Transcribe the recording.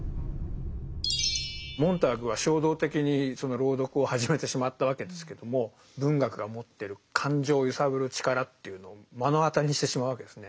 モンターグは衝動的にその朗読を始めてしまったわけですけども文学が持ってる感情を揺さぶる力というのを目の当たりにしてしまうわけですね。